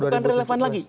bukan relevan lagi